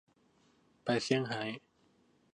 ไปเซี่ยงไฮ้